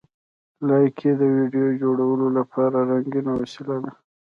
لایکي د ویډیو جوړولو لپاره رنګین وسیله ده.